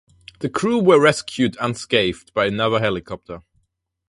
The crew were rescued unscathed by another helicopter.